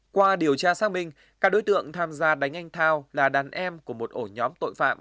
qua điều tra xác minh các đối tượng tham gia đánh anh thao là đàn em của một ổ nhóm tội phạm